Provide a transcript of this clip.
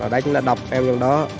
đánh là đọc em trong đó